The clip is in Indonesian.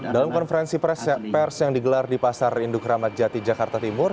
dalam konferensi pers yang digelar di pasar induk ramadjati jakarta timur